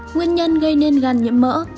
nguyên nhân gây nên gan nhiễm mỡ